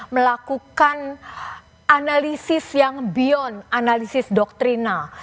melakukan analisis yang beyond analisis doktrina